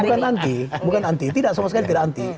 bukan anti bukan anti tidak sama sekali tidak anti